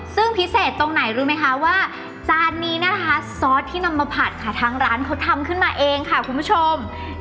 ซึ่งพิเศษตรงไหนรู้ไหมคะว่าจานนี้นะคะซอสที่นำมาผัดค่ะทางร้านเขาทำขึ้นมาเองค่ะคุณผู้ชม